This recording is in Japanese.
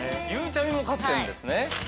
ゆうちゃみも飼ってんですね。